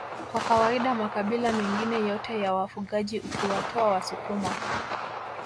Kwa kawaida makabila mengine yote ya wafugaji ukiwatoa wasukuma